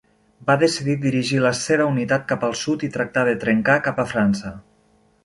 Va decidir dirigir la seva unitat cap al sud i tractar de trencar cap a França.